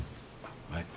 はい。